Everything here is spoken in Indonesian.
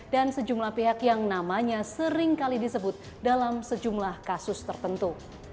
dan sejumlah pihak yang namanya seringkali disebut dalam sejumlah kasus tertentu